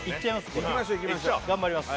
これ頑張ります